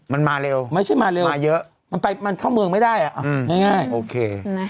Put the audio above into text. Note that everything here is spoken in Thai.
มันมาเร็วมาเยอะไม่ใช่มาเร็วมันเข้าเมืองไม่ได้ง่ายโอเค